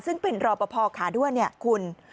ซึ่งเป็นรอปภาพคาด้วยคุณ